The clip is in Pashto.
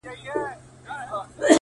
له اوږده سفره ستړي را روان وه.!